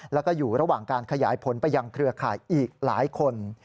แล้วก็อยู่ระหว่างการขยายผลไปยังเครือข่ายอีกหลายคน